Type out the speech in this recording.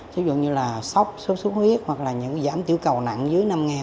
ví dụ như là sóc xuất xuất huyết hoặc là những giảm tiểu cầu nặng dưới năm